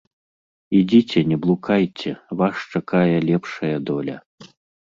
Ідзіце, не блукайце, вас чакае лепшая доля.